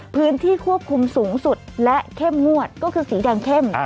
พื้นที่ควบคุมสูงสุดและเข้มงวดก็คือสีแดงเข้ม